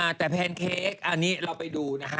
แต่แพนเค้กอันนี้เราไปดูนะฮะ